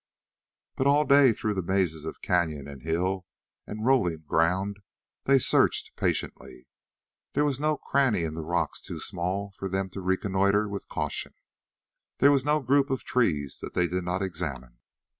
But all day through the mazes of canyon and hill and rolling ground they searched patiently. There was no cranny in the rocks too small for them to reconnoiter with caution. There was no group of trees they did not examine.